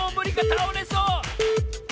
たおれそう！